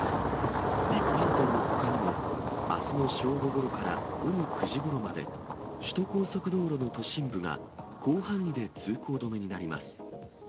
一般道のほかにも、あすの正午ごろから午後９時ごろまで、首都高速道路の都心部が広範囲で通行止めになります。